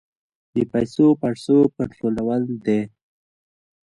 د پیسو پړسوب کنټرول دی؟